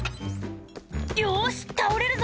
「よし倒れるぞ」